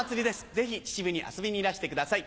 ぜひ秩父に遊びにいらしてください。